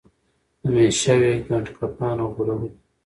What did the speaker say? همېشه وي ګنډکپانو غولولی